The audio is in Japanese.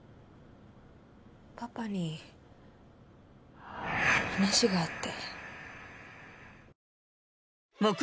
パパに話があって。